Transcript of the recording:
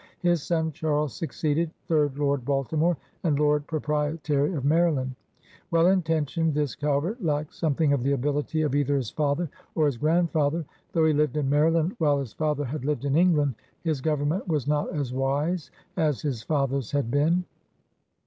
His son Charles succeeded, third Lord Baltimore and Lord Proprietary of Maryland. Well intentioned, this Calvert lacked something of the ability of either his father or his grandfather. Though he lived in Maryland while his father had lived in England, his government was not as wise as his father's had been.